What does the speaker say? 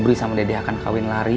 sobri sama dede akan kawin lari